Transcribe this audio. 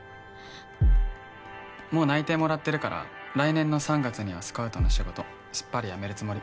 もう内定もらってるから来年の３月にはスカウトの仕事すっぱり辞めるつもり。